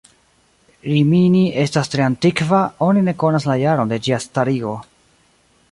Rimini estas tre antikva, oni ne konas la jaron de ĝia starigo.